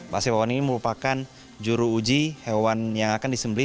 pas hewan ini merupakan juru uji hewan yang akan disembeli